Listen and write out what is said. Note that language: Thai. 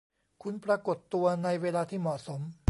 คุณปรากฏตัวในเวลาที่เหมาะสม